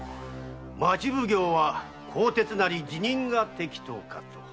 町奉行は更迭なり辞任が適当かと。